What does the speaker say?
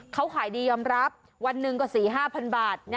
เขาขายดียอมรับวันหนึ่งก็๔๕๐๐บาท